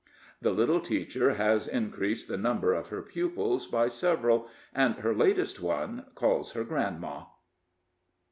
The little teacher has increased the number of her pupils by several, and her latest one calls her grandma.